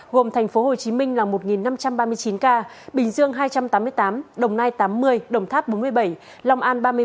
gồm thành phố hồ chí minh là một năm trăm ba mươi chín ca bình dương hai trăm tám mươi tám đồng nai tám mươi đồng tháp bốn mươi bảy lòng an ba mươi bảy